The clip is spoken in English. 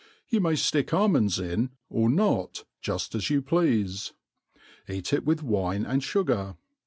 You may flick almonds in or not, jufl as you pleafe. Eat it with wine and fugar.